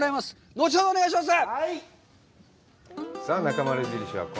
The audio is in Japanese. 後ほどお願いします。